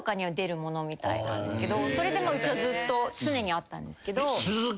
それでうちはずっと常にあったんですけど。